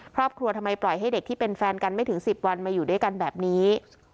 ทำไมปล่อยให้เด็กที่เป็นแฟนกันไม่ถึง๑๐วันมาอยู่ด้วยกันแบบนี้